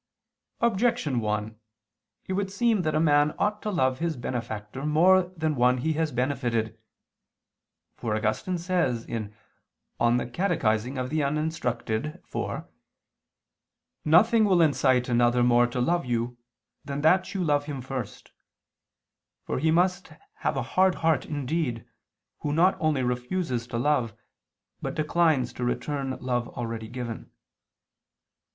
Objection 1: It would seem that a man ought to love his benefactor more than one he has benefited. For Augustine says (De Catech. Rud. iv): "Nothing will incite another more to love you than that you love him first: for he must have a hard heart indeed, who not only refuses to love, but declines to return love already given."